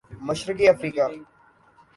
مشرقی افریقہ